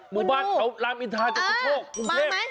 หมู่บ้านของรามอินทรายกับสุโภค